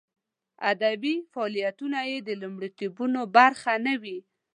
ادبي فعالیتونه یې د لومړیتوبونو برخه نه وي.